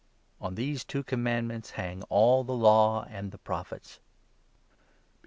On these two commandments hang all the Law and the 40 Prophets." * Deut.